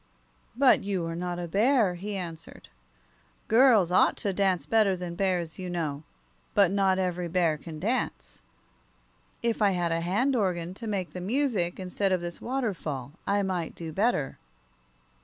"But you are not a bear," he answered. "Girls ought to dance better than bears, you know. But not every bear can dance. If I had a hand organ to make the music, instead of this waterfall, I might do better."